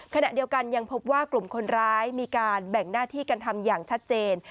ขณะเดียวกันยังพบว่ากลุ่มคนร้ายมีการแบ่งหน้าที่กันทำอย่างชัดเจน